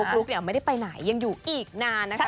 ฟลุ๊กเนี่ยไม่ได้ไปไหนยังอยู่อีกนานนะคะ